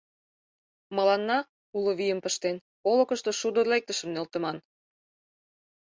Мыланна, уло вийым пыштен, олыкышто шудо лектышым нӧлтыман!